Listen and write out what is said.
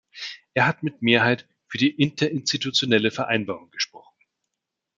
Er hat mit Mehrheit für die interinstitutionelle Vereinbarung gesprochen.